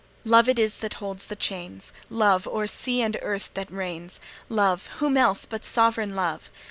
Love it is that holds the chains, Love o'er sea and earth that reigns; Love whom else but sovereign Love?